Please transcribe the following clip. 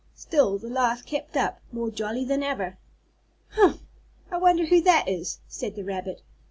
Still the laugh kept up, more jolly than ever. "Humph! I wonder who that is?" said the rabbit.